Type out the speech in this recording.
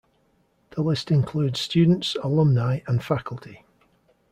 The list includes students, alumni, and faculty.